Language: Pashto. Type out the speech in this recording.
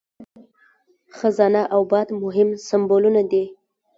خزانه او باد مهم سمبولونه دي.